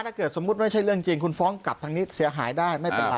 เรื่องจริงคุณฟ้องกลับทางนี้เสียหายได้ไม่เป็นไร